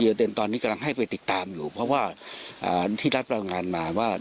เด็นตอนนี้กำลังให้ไปติดตามอยู่เพราะว่าที่รับรายงานมาว่า